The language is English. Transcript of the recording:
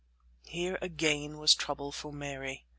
Here again was trouble for Mary.